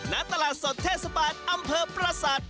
นัดตลาดสดเทศบาทอำเภอประสัตว์